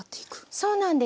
そうなんです。